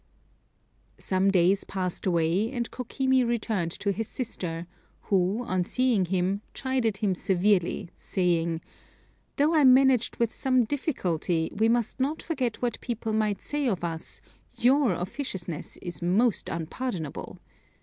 Some days passed away and Kokimi returned to his sister, who, on seeing him, chided him severely, saying: "Though I managed with some difficulty, we must not forget what people might say of us, your officiousness is most unpardonable.